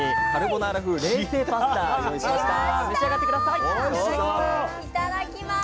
いただきます。